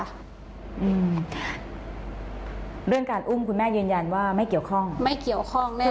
อืมเรื่องการอุ้มคุณแม่ยืนยันว่าไม่เกี่ยวข้องไม่เกี่ยวข้องแน่